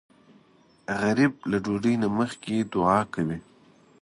غریب له ډوډۍ نه مخکې دعا کوي